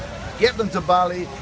mengembangkan mereka ke bali